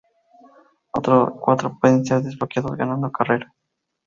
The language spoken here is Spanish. Otros cuatro pueden ser desbloqueados ganando carreras.